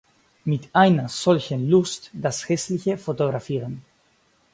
Mit einer solchen Lust das Hässliche fotografieren.